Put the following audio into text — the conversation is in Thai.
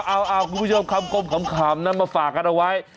เอาคุณผู้ชมคำคมนั้นมาฝากันเอาไว้